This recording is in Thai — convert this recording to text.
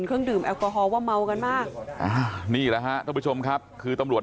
เครื่องดื่มแอลกอฮอลว่าเมากันมากอ่านี่แหละฮะท่านผู้ชมครับคือตำรวจ